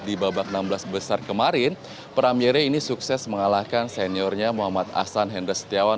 di babak enam belas besar kemarin pram yere ini sukses mengalahkan seniornya muhammad ahsan hendra setiawan